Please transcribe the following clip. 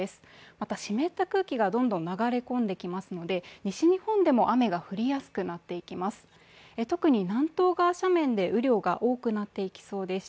また湿った空気がどんどん流れ込んできますので、西日本でも雨が降りやすくなっていきます。